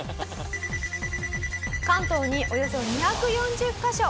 関東におよそ２４０カ所。